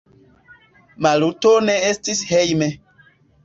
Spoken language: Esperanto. Maluto ne estis hejme.